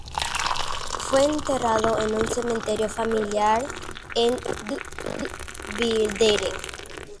Fue enterrado en un cementerio familiar en Belvidere.